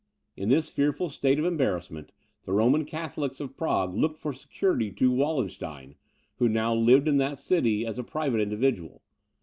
In this fearful state of embarrassment, the Roman Catholics of Prague looked for security to Wallenstein, who now lived in that city as a private individual.